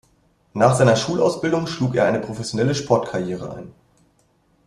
Nach seiner Schulausbildung schlug er eine professionelle Sportkarriere ein.